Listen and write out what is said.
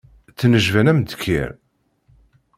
Ttnejban am ddkir.